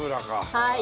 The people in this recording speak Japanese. はい。